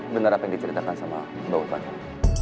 bener apa yang diceritakan sama mbak upan